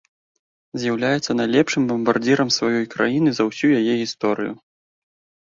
З'яўляецца найлепшым бамбардзірам сваёй краіны за ўсю яе гісторыю.